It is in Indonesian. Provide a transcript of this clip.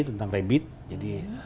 tentang rebbit jadi